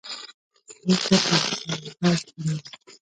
بېرته په خپل ځای کېناست.